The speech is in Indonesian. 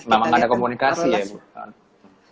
memang tidak ada komunikasi ya bu